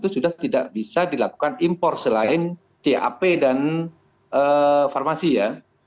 sudah tidak bisa dilakukan impor selain cap dan farmasi ya